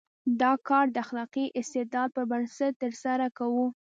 دا کار د اخلاقي استدلال پر بنسټ ترسره کوو.